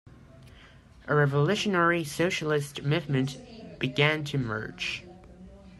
A revolutionary socialist movement began to emerge.